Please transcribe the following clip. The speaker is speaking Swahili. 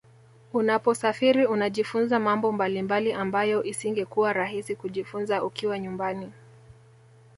Unaposafiri unajifunza mambo mbalimbali ambayo isingekuwa rahisi kujifunza ukiwa nyumbani